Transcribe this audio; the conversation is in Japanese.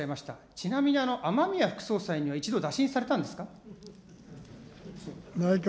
ちなみに、雨宮副総裁には一度打診されたんですか。